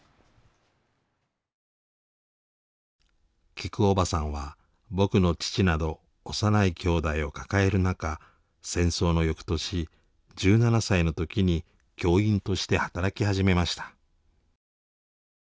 きくおばさんは僕の父など幼い兄弟を抱える中戦争の翌年１７歳の時に教員として働き始めました。